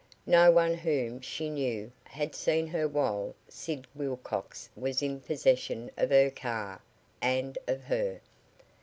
No one whom she knew had seen her while Sid Wilcox was in possession of her car and of her.